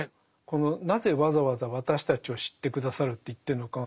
このなぜわざわざ「私たちを知って下さる」って言ってるのか。